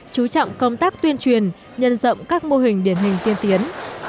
chú trọng công tác tuyên truyền nhân rộng các mô hình điển hình tiên tiến